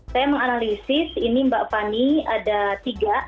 saya menganalisis ini mbak fani ada tiga